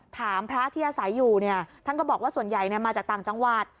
ถามพระที่อาศัยอยู่เนี่ยท่านก็บอกว่าส่วนใหญ่มาจากต่างจังหวัด